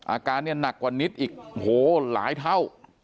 อาการเนี่ยหนักกว่านิดอีกโอ้โหหลายเท่า